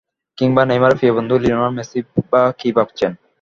কিংবা নেইমারের প্রিয় বন্ধু লিওনেল মেসিই বা কী ভাবছেন।